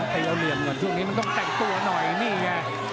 ตีเอาเหลี่ยมก่อนช่วงนี้มันต้องแต่งตัวหน่อยนี่ไง